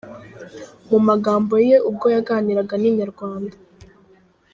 Mu magambo ye ubwo yaganiraga na Inyarwanda.